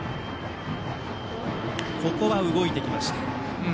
ここは動いてきました。